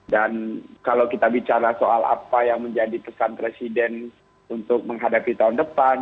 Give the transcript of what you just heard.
dan kalau kita bicara soal apa yang menjadi pesan presiden untuk menghadapi tahun depan